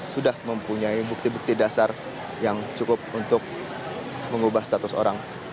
sudah mempunyai bukti bukti dasar yang cukup untuk mengubah status orang